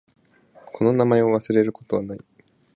この名前を忘れることはない。